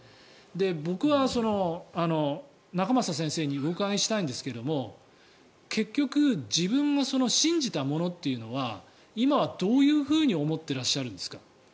僕は仲正先生にお伺いしたいんですが結局、自分が信じたものというのは今はどういうふうに思ってらっしゃるんですか？